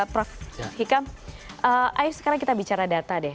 prof hikam ayo sekarang kita bicara data deh